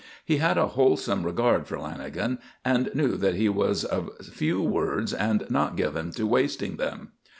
He had a wholesome regard for Lanagan and knew that he was of few words and not given to wasting them.